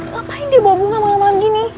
ngapain dia bawa bunga malem malem gini